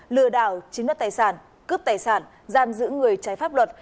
lừa đảo chiếm đất tài sản cướp tài sản giam giữ người trái pháp luật